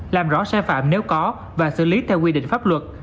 làm rõ sai phạm nếu có và xử lý theo quy định pháp luật